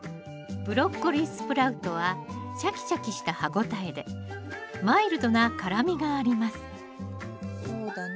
ブロッコリースプラウトはシャキシャキした歯応えでマイルドな辛みがありますそうだな。